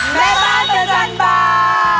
แม่บ้านเจอจรรย์บ้าน